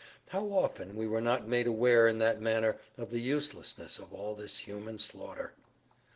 How often were we not made aware in that manner of the uselessness of all this human slaughter!